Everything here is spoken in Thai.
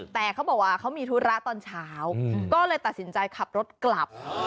แต่เขาบอกว่าเขามีธุระตอนเช้าก็เลยตัดสินใจขับรถกลับ